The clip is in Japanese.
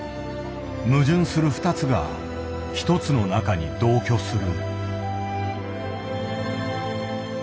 矛盾する二つが一つの中に同居する。